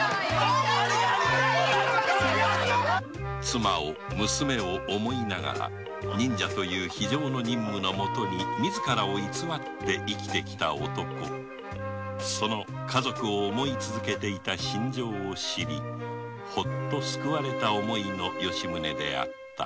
妻を娘を思いながら忍者という非情の任務の下に自らを偽って生きてきた男家族を思い続けていた心情を知り救われた思いの吉宗であった